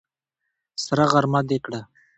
سره غرمه دې کړه!